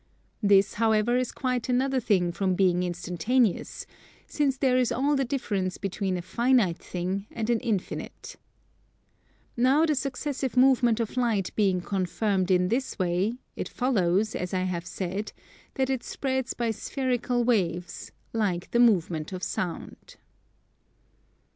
This, however, is quite another thing from being instantaneous, since there is all the difference between a finite thing and an infinite. Now the successive movement of Light being confirmed in this way, it follows, as I have said, that it spreads by spherical waves, like the movement of Sound.